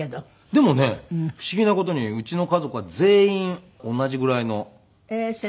でもね不思議な事にうちの家族は全員同じぐらいの背丈なんですよ。